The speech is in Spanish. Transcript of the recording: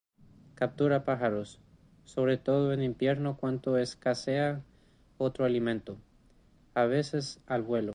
Captura pájaros, sobre todo en invierno cuando escasea otro alimento, a veces al vuelo.